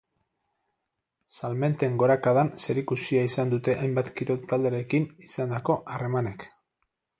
Salmenten gorakadan zerikusia izan dute hainbat kirol talderekin izandako harremanek.